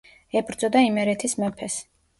ებრძოდა იმერეთის მეფეს.